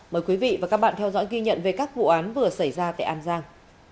mời quý vị và các bạn theo dõi ghi nhận về các vụ án vừa xảy ra tại an giang